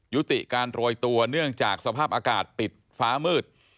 ยุติการโรยตัวเนื่องจากสภาพอากาศปิดฟ้ามืด